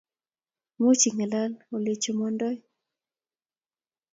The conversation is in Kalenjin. Much ingalal olechomdoi